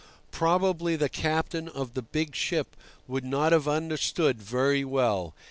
Probably the captain of the big ship would not have understood very well.